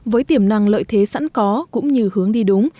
với tiềm năng lợi thế sẵn có cũng như hướng đi đúng